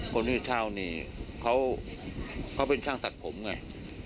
คนที่เช่านี่เขาเป็นช่างตัดผมไง